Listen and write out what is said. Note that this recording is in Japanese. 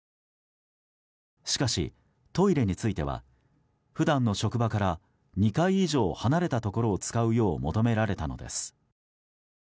しかし、トイレについては普段の職場から２階以上離れたところを使うよう求められたのです。